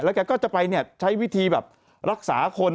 แล้วแกก็จะไปใช้วิธีแบบรักษาคน